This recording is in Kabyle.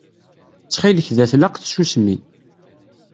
Ttxil-k da tlaq tsusmi.